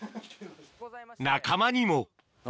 仲間にも何？